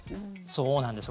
そうなんです。